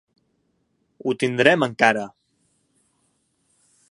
Ho tindrem encara!